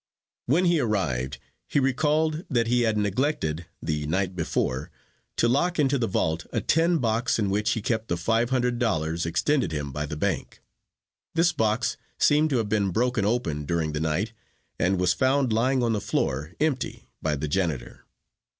When he arrived he recalled that he had neglected the night before to lock into the vault a tin box in which he kept the five hundred dollars extended him by the bank. This box seemed to have been broken open during the night and was found lying on the floor empty by the janitor.